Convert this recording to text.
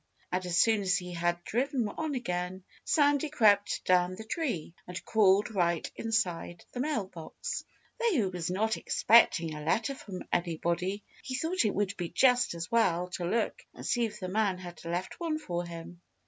And as soon as he had driven on again, Sandy crept down the tree and crawled right inside the mail box. Though he was not expecting a letter from anybody, he thought it would be just as well to look and see if the man had left one for him.